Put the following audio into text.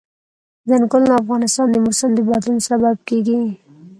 ځنګلونه د افغانستان د موسم د بدلون سبب کېږي.